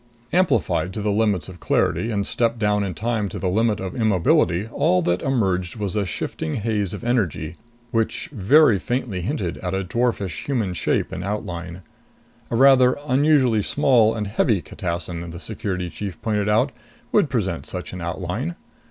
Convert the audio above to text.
Amplified to the limits of clarity and stepped down in time to the limit of immobility, all that emerged was a shifting haze of energy, which very faintly hinted at a dwarfish human shape in outline. A rather unusually small and heavy catassin, the Security chief pointed out, would present such an outline.